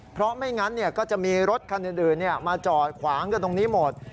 เพราะไม่งั้นก็จะมีรถคันอื่นมาจอดขวางกันตรงนี้หมด